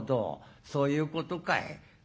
そういうことかい。